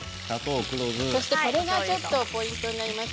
そしてこれがポイントになります。